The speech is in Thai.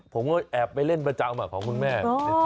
ผมก็แอบไปเล่นประจำของคุณแม่